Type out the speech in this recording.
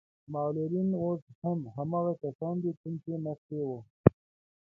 معلولين اوس هم هماغه کسان دي کوم چې مخکې وو.